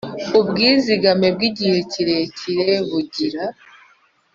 Ubwizigame bw igihe kirekire bugira